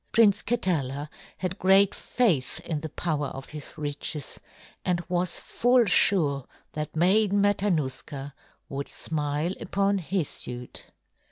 Prince Katala had great faith in the power of his riches and was full sure that Maiden Matanuska would smile upon his suit.